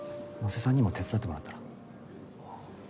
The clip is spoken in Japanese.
野瀬さんにも手伝ってもらったら？